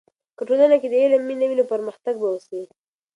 که ټولنې کې د علم مینه وي، نو پرمختګ به وسي.